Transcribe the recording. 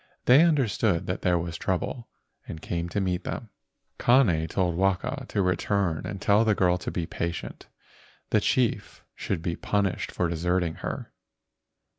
They understood that there was trouble, and came to meet them. Kane told Waka to return and tell the girl to be patient; the chief should be punished for deserting her.